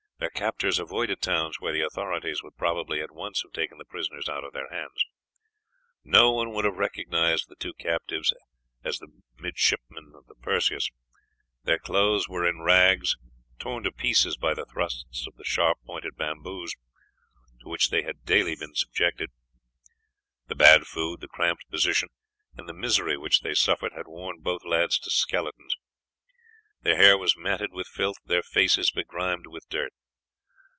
Their captors avoided towns where the authorities would probably at once have taken the prisoners out of their hands. No one would have recognized the two captives as the midshipmen of the Perseus; their clothes were in rags torn to pieces by the thrusts of the sharp pointed bamboos, to which they had daily been subjected the bad food, the cramped position, and the misery which they suffered had worn both lads to skeletons; their hair was matted with filth, their faces begrimed with dirt.